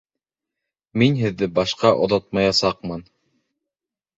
Мин һеҙҙе башҡа оҙатмаясаҡмын